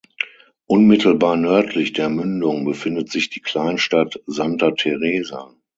Unmittelbar nördlich der Mündung befindet sich die Kleinstadt Santa Teresa.